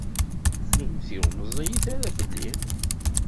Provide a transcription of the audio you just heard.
Kennemti ur meẓẓiyit ara fell-i.